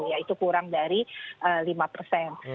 yaitu kurang dari lima persen